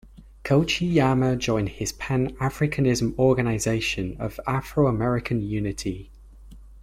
Kochiyama joined his pan-Africanist Organization of Afro-American Unity.